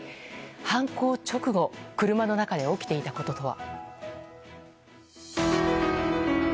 犯行直後車の中で起きていたこととは。